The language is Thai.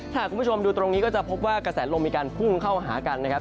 ถ้าคุณผู้ชมดูตรงนี้ก็จะพบว่ากระแสลมมีการพุ่งเข้าหากันนะครับ